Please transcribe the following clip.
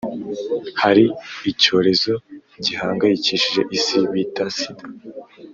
Hari icyorezo gihangayikishije isi bita sida